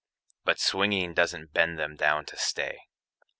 But swinging doesn't bend them down to stay.